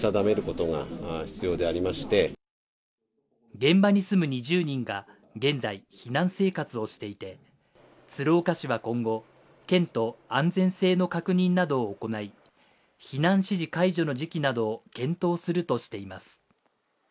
現場に住む２０人が現在、避難生活をしていて鶴岡市は今後、県と安全性の確認などを行い避難指示解除の時期などを検討するとしています。